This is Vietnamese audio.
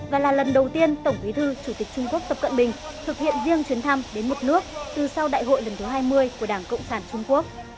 và là lần đầu tiên tổng bí thư chủ tịch trung quốc tập cận bình thực hiện riêng chuyến thăm đến một nước từ sau đại hội lần thứ hai mươi của đảng cộng sản trung quốc